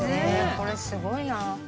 これすごいな。